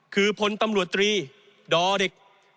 คือพลตำรวจตรีดอเด็ก